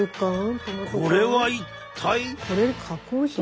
これは一体？